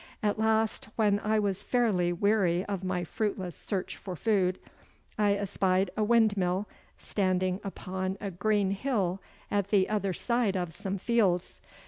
At last, when I was fairly weary of my fruitless search for food, I espied a windmill standing upon a green hill at the other side of some fields.